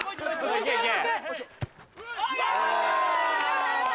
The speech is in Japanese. いけいけ。